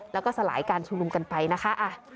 แล้วก็สลายการชุมนุมกันไปนะคะ